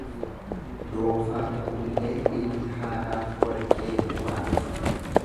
Doofaa ta'ullee ilmi haadhaaf warqee qubaati.